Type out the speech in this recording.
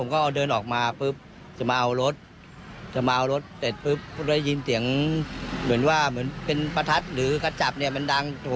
ก็ไม่ได้ยินเสียงของทั้งคู่ทะเลาะกันแต่อย่างใด